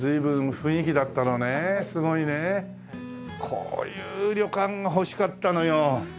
こういう旅館が欲しかったのよ。